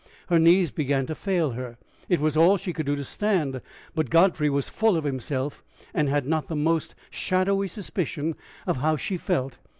Her knees began to fail her; it was all she could do to stand. But Godfrey was full of himself, and had not the most shadowy suspicion of how she felt.